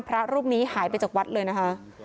ผู้ใหญ่บ้านพระรูปนี้หายไปจากวัดเลยนะคะ